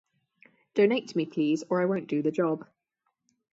Donate to me please or I won't do the job.